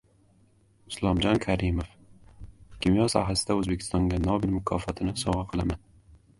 Islomjon Karimov: «kimyo sohasida O‘zbekistonga Nobel mukofotini sovg‘a qilaman»